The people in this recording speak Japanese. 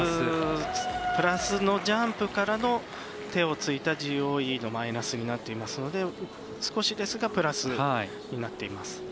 プラスのジャンプからの手をついたＧＯＥのマイナスになっていますので少しですがプラスになっています。